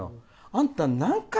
あんた、何回